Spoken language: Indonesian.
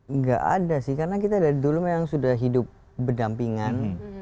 nggak ada sih karena kita dari dulu memang sudah hidup berdampingan